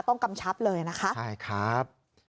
กำชับเลยนะคะใช่ครับ